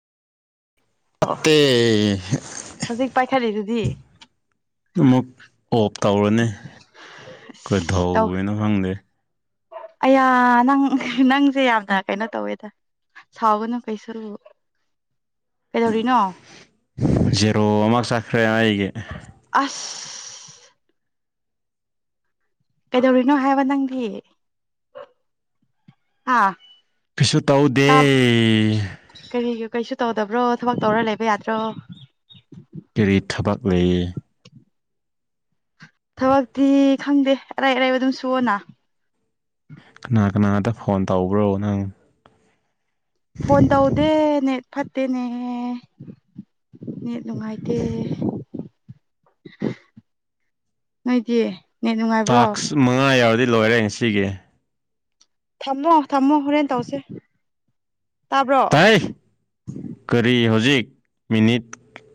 ꯐꯠꯇꯦ ꯍꯧꯖꯤꯛ ꯄꯥꯏꯈꯠꯂꯤꯗꯨꯗꯤ ꯑꯃꯨꯛ ꯑꯣꯞ ꯇꯧꯔꯅꯤ ꯑꯁ ꯇꯧ ꯀꯩꯗꯧꯔꯤꯅꯣ ꯈꯪꯗꯦ ꯑꯌꯥ ꯅꯪ ꯅꯪꯁꯦ ꯌꯥꯝꯅ ꯀꯩꯅꯣ ꯇꯧꯋꯦꯗ ꯁꯥꯎꯒꯅꯨ ꯀꯩꯁꯨ ꯀꯩꯗꯧꯔꯤꯅꯣ ꯖꯦꯔꯣ ꯑꯃꯛ ꯆꯠꯈ꯭ꯔꯦ ꯑꯩꯒꯤ ꯑꯁ ꯀꯩꯗꯧꯔꯤꯅꯣ ꯍꯥꯏꯕ ꯅꯪꯒꯤ ꯑꯥ ꯀꯩꯁꯨ ꯇꯧꯗꯦ ꯀꯔꯤ ꯀꯩꯁꯨ ꯇꯧꯗꯕ꯭ꯔꯣ ꯊꯕꯛ ꯇꯧꯔ ꯂꯩꯕ ꯌꯥꯗ꯭ꯔꯣ ꯀꯔꯤ ꯊꯕꯛ ꯂꯩ ꯊꯕꯛꯇꯤ ꯈꯪꯗꯦ ꯑꯔꯥꯏ ꯑꯔꯥꯏꯕ ꯑꯗꯨꯝ ꯁꯨꯑꯣꯅ ꯀꯅꯥ ꯀꯅꯥꯗ ꯐꯣꯟ ꯇꯧꯕ꯭ꯔꯣ ꯅꯪ ꯐꯣꯟ ꯇꯧꯗꯦ ꯠꯅꯦ ꯐꯠꯇꯦꯅꯦ ꯍꯦ ꯅꯦꯠ ꯅꯨꯡꯉꯥꯏꯇꯦ ꯅꯣꯏꯗꯤ ꯅꯦꯠ ꯅꯨꯡꯉꯥꯏꯕ꯭ꯔꯣ ꯇꯥꯛꯁ ꯃꯉꯥ ꯌꯥꯎꯔꯗꯤ ꯂꯣꯏꯔꯦ ꯉꯁꯤꯒꯤ ꯊꯝꯃꯣ ꯊꯝꯃꯣ ꯍꯣꯔꯦꯟ ꯇꯧꯁꯦ ꯇꯥꯕ꯭ꯔꯣ ꯇꯥꯏ ꯀꯔꯤ ꯍꯧꯖꯤꯛ ꯃꯤꯅꯤꯠ